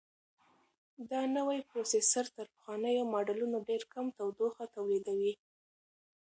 دا نوی پروسیسر تر پخوانیو ماډلونو ډېر کم تودوخه تولیدوي.